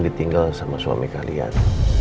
ditinggal sama suami kalian